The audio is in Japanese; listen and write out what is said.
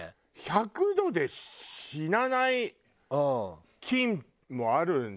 １００度で死なない菌もあるんじゃない？